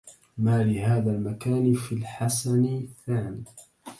ما لهذا المكان في الحسن ثان